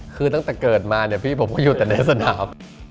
คือตั้งแต่เกิดมาเนี่ยพี่ผมก็อยู่แต่ในสนาม